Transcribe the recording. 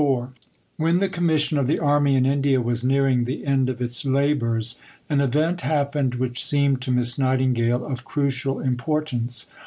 IV When the Commission of the Army in India was nearing the end of its labours, an event happened which seemed to Miss Nightingale of crucial importance.